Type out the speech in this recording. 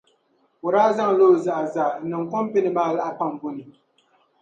O daa zaŋ la o zaɣa zaa n-niŋ kɔmpini maa laɣi paŋbo ni.